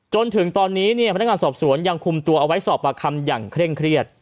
จนถึงตอนนี้เนี่ยพนักงานสอบสวนยังคุมตัวเอาไว้สอบประคำอย่างเคร่งเครียด